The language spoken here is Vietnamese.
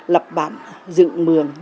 lập bản dự mường